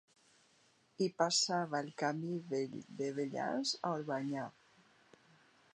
Hi passava el Camí Vell de Vellans a Orbanyà.